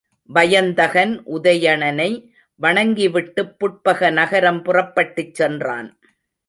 வயந்தகன் உதயணனை வணங்கிவிட்டுப் புட்பக நகரம் புறப்பட்டுச் சென்றான்.